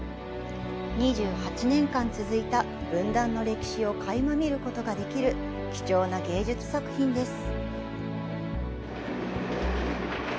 ２８年間続いた分断の歴史をかいま見ることができる貴重な芸術作品です。